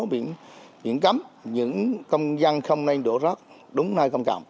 biển cắm những công dân không nên đổ rác đúng nơi không cầm